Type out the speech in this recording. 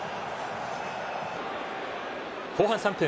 後半３分。